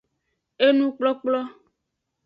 Enukplokplo.